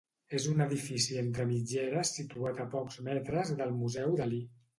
És un edifici entre mitgeres situat a pocs metres del museu Dalí.